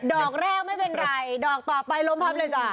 ดอกแรกไม่เป็นไรดอกต่อไปลมพับเลยจ้ะ